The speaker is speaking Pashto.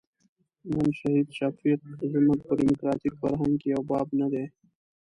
نن شهید شفیق زموږ په ډیموکراتیک فرهنګ کې یو باب نه دی.